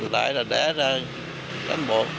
đại là đại là đánh bộ